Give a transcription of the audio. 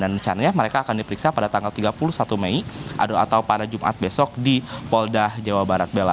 dan rencananya mereka akan diperiksa pada tanggal tiga puluh satu mei atau pada jumat besok di poldah jawa barat bela